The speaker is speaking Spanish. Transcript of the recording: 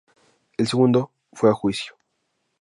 El segundo fue a juicio.